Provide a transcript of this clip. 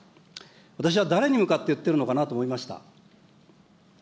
私は誰に向かって言ってるのかなと思いました。